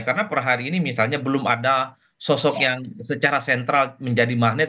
karena per hari ini misalnya belum ada sosok yang secara sentral menjadi magnet